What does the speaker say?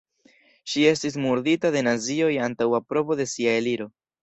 Ŝi estis murdita de nazioj antaŭ aprobo de sia eliro.